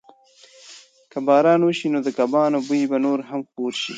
که باران وشي نو د کبابو بوی به نور هم خپور شي.